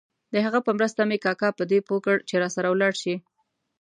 د هغه په مرسته مې کاکا په دې پوه کړ چې راسره ولاړ شي.